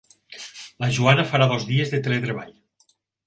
La Joana farà dos dies de teletreball.